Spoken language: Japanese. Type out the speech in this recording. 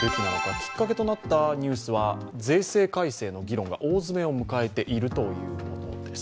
きっかけとなったニュースは税制改正の議論が大詰めを迎えているというものです。